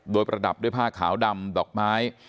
โดยประดับด้วยผ้าขาวดำดอกไม้